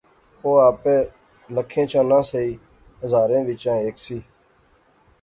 او آپے لکھیں چا نہ سہی ہزاریں وچا ہیک سی